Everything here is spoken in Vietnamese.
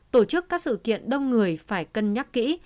tổ chức các sự kiện đông người phải cân nhắc kỹ